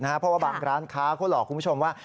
เพราะว่าบางร้านค้าเขาหลอกคุณผู้ชมว่า